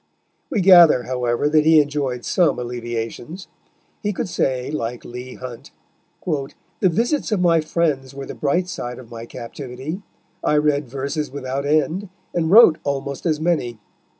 We gather, however, that he enjoyed some alleviations. He could say, like Leigh Hunt, "the visits of my friends were the bright side of my captivity; I read verses without end, and wrote almost as many."